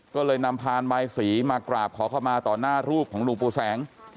ก็เลยนำพานใบสีมากราบขอเข้ามาต่อหน้ารูปของหลวงปู่แสง